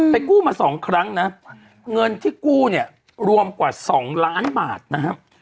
กู้มา๒ครั้งนะเงินที่กู้เนี่ยรวมกว่า๒ล้านบาทนะครับ